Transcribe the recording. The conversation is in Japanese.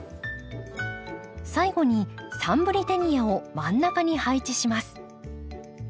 最後にサンブリテニアを真ん中に配置します。